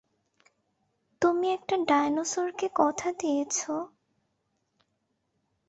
তুমি একটা ডাইনোসরকে কথা দিয়েছো!